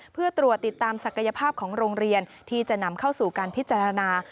เพื่อตรวจติดตามศักยภาพของโรงเรียนที่จะนำเข้าสู่การพิจารณา